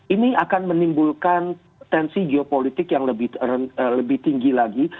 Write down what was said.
ini akan menimbulkan tensi geopolitik yang lebih tinggi lagi